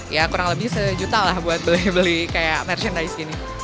ya kurang lebih sejuta lah buat beli beli kayak merchandise gini